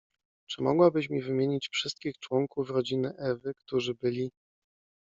— Czy mogłabyś mi wymienić wszystkich członków ro dziny Ewy, którzy byli.